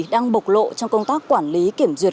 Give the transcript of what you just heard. đang bộc lộ trong công tác quản lý kiểm duyệt